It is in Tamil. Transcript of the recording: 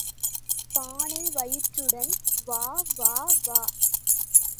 பானை வயிற்றுடன் வா வா வா.